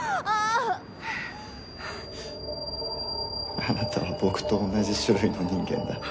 あなたは僕と同じ種類の人間だ